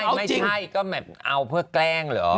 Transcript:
ไม่ใช่ก็แบบเอาเพื่อแกล้งเหรอ